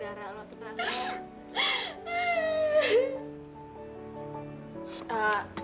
udara lo tenang ra